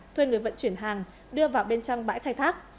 thuê người vận chuyển hàng đưa vào bên trong bãi khai thác